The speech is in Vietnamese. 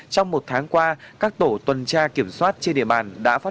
trong một tháng qua các tổ tuần tra kiểm soát đã tăng cường tuần tra kiểm soát